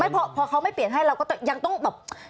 พอเขาไม่เปลี่ยนให้เราก็ยังต้องแบบ